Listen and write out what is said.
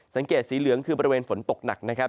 สังเกตสีเหลืองคือบริเวณฝนตกหนักนะครับ